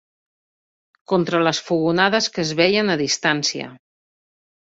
Contra les fogonades que es veien a distància